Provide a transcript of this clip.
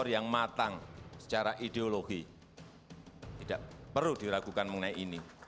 yang matang secara ideologi tidak perlu diragukan mengenai ini